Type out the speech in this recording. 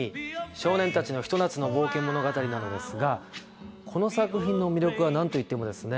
少年たちのひと夏の冒険物語なのですがこの作品の魅力は何といってもですね